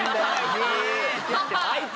あいつ！